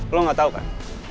lo gak tau kan